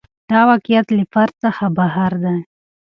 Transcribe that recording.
دا واقعیت له فرد څخه بهر دی.